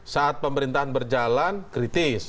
saat pemerintahan berjalan kritis